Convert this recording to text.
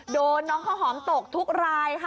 โดนน้องข้าวหอมตกทุกรายค่ะ